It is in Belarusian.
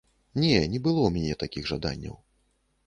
Не, не было ў мяне такіх жаданняў.